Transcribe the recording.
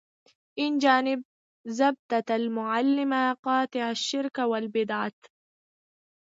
اینجانب زبدة العلما قاطع شرک و البدعت.